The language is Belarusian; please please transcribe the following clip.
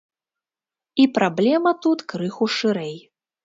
І праблема тут крыху шырэй.